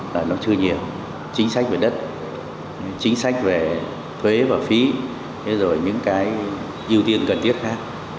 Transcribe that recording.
là nó chưa nhiều chính sách về đất chính sách về thuế và phí rồi những cái ưu tiên cần thiết khác